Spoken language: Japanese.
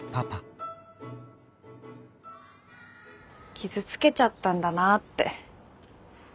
傷つけちゃったんだなって。